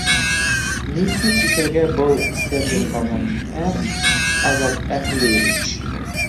Нисек сисергә был сер йомғағын, ә, Азат Әһлиевич?